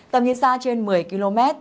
tầm nhìn xa trên một mươi km